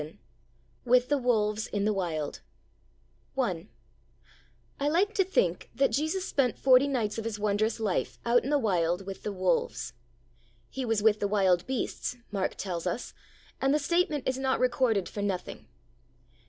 VII WITH THE WOLVES IN THE WILD I I like to think that Jesus spent forty nights of His wondrous life out in the Wild with the wolves. 'He was with the wild beasts,' Mark tells us, and the statement is not recorded for nothing.